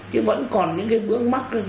chứ vẫn còn những cái vướng mắt